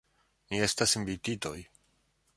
Ni estas invititoj.